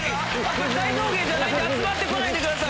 大道芸じゃないんで集まって来ないでください。